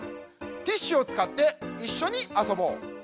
ティッシュをつかっていっしょにあそぼう。